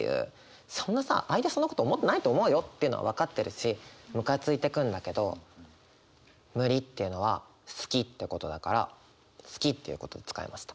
そんなさ相手そんなこと思ってないと思うよっていうのは分かってるしムカついてくんだけど「無理」っていうのは「好き」ってことだから「好き」っていうことで使いました。